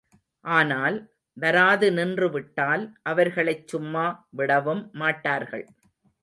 ஆனால், வராது நின்று விட்டால் அவர்களைச் சும்மா விடவும் மாட்டார்கள்.